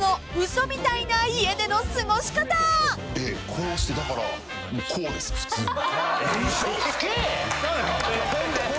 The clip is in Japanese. こうしてだからこうです普通に。